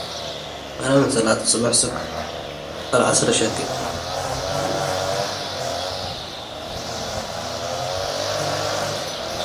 In this sentence, the correct derivative of the word "conservation" would be "conservationists".